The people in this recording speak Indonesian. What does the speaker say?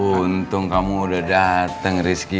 untung kamu udah datang rizky